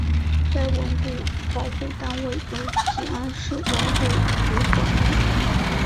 该文物保护单位由集安市文物局管理。